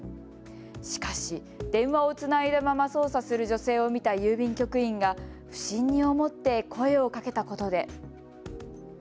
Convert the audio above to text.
しかし、電話をつないだまま操作する女性を見た郵便局員が不審に思って声をかけたことで。